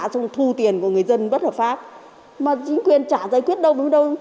xong thu tiền của người dân bất hợp pháp mà chính quyền chả giải quyết đâu đúng đâu